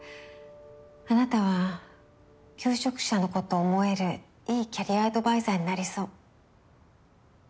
あなたは求職者のことを思えるいいキャリアアドバイザーになりそう。